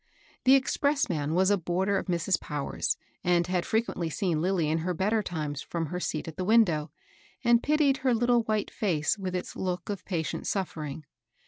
The expressman was a boarder of Mrs. Powers, and had frequently seen Lilly in her better times from her seat at the window^ and pitied her little white face with its look of patient suffering.